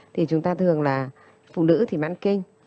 thì chúng ta thường là phụ nữ thì mãn kinh